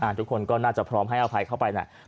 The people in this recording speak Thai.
ทุกคนก็น่าจะพร้อมให้อภัยเข้าไปแหละ